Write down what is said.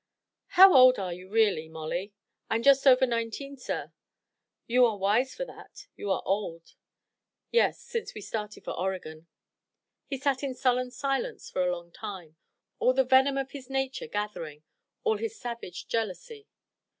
"How old are you, really, Molly?" "I am just over nineteen, sir." "You are wise for that; you are old." "Yes since we started for Oregon." He sat in sullen silence for a long time, all the venom of his nature gathering, all his savage jealousy.